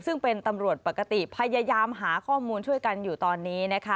ซึ่งเป็นตำรวจปกติพยายามหาข้อมูลช่วยกันอยู่ตอนนี้นะคะ